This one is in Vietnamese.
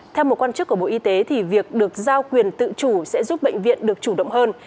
theo một quan chức của bộ y tế thì việc được giao quyền tự chủ sẽ giúp bệnh viện được chủ động hơn